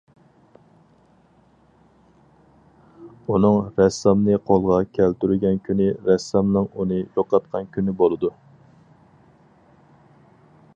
ئۇنىڭ رەسسامنى قولغا كەلتۈرگەن كۈنى رەسسامنىڭ ئۇنى يوقاتقان كۈنى بولىدۇ.